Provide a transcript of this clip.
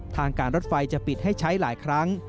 ทางการรถไฟจะปิดให้ใช้หลายครั้ง